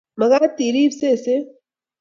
Magaat iriib seset